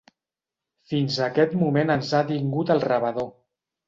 Fins aquest moment ens ha tingut al rebedor.